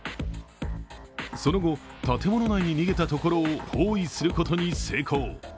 その後、建物内逃げたところを包囲することに成功。